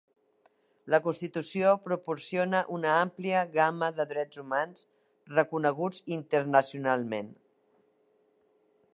La constitució proporciona una àmplia gamma de drets humans reconeguts internacionalment.